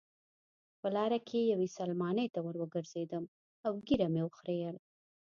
په لاره کې یوې سلمانۍ ته وروګرځېدم او ږیره مې وخریل.